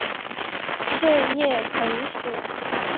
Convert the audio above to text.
穗叶藤属。